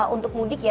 untuk mudik ya